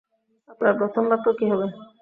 আপনার প্রথম বাক্য কী হবে?